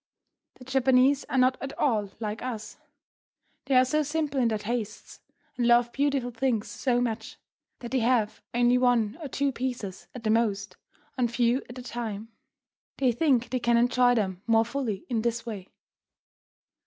The Japanese are not at all like us. They are so simple in their tastes, and love beautiful things so much, that they have only one or two pieces, at the most, on view at a time. They think they can enjoy them more fully in this way.